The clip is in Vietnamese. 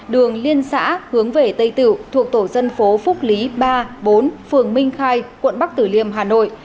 đường liên xã hướng về tây tử thuộc tổ dân phố phúc lý ba bốn phường minh khai quận bắc tử liêm hà nội